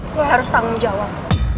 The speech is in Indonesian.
gue harus tanggung jawab